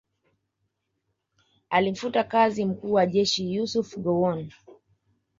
Alimfuta kazi mkuu wa jeshi Yusuf Gowon